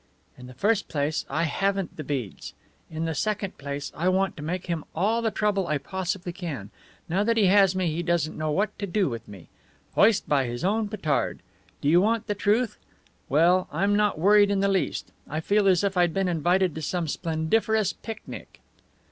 "In the first place, I haven't the beads. In the second place, I want to make him all the trouble I possibly can. Now that he has me, he doesn't know what to do with me. Hoist by his own petard. Do you want the truth? Well, I'm not worried in the least. I feel as if I'd been invited to some splendiferous picnic."